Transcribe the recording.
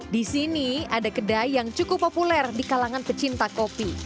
di sini ada kedai yang cukup populer di kalangan pecinta kopi